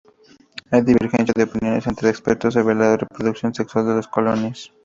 Hay divergencia de opiniones entre expertos sobre la reproducción sexual de las colonias.